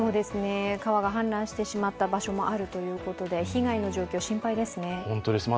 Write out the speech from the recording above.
川が氾濫してしまった場所もあるということで被害の状況、心配ですね。